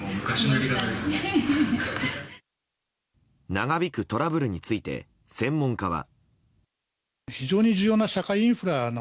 長引くトラブルについて専門家は。